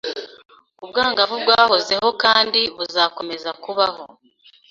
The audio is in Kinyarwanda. ubwangavu bwahozeho kandi buzakomeza kubaho.